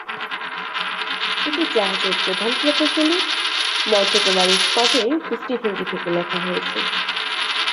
এটি জাহাজের প্রধান প্রকৌশলী মন্টগোমারি স্কটের দৃষ্টিভঙ্গি থেকে লেখা হয়েছে।